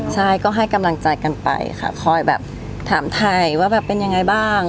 ใช่ก็ให้กำลังใจกันไปค่ะคอยแบบถามไทยว่าแบบเป็นยังไงบ้าง